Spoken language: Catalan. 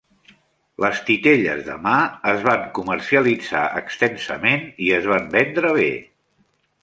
Les titelles de mà es van comercialitzar extensament i es van vendre bé.